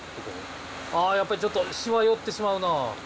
あやっぱりちょっとシワ寄ってしまうな。